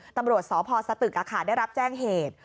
ตำรวจสพสตึกได้รับแจ้งเหตุ